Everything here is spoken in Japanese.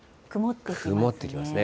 曇ってきますね。